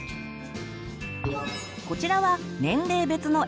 こちらは年齢別の絵本。